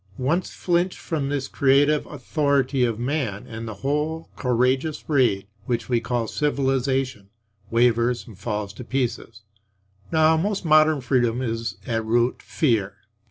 Once flinch from this creative authority of man, and the whole courageous raid which we call civilization wavers and falls to pieces. Now most modern freedom is at root fear.